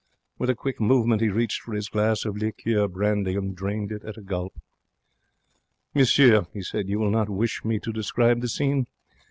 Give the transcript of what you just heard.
With a quick movement he reached for his glass of liqueur brandy and drained it at a gulp. 'Monsieur,' he said, 'you will not wish me to describe the scene?